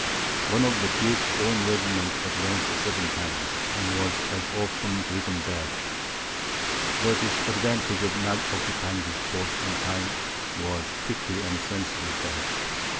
One of the duke's own regiments advanced seven times, and was as often driven back. The disadvantage of not occupying this post in time, was quickly and sensibly felt.